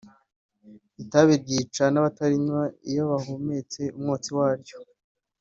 Itabi ryica n’abatarinywa iyo bahumetse umwotsi waryo